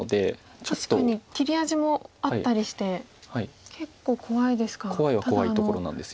確かに切り味もあったりして結構怖いですか。